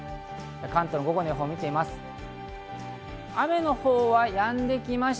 関東の午後の予報を見てみます。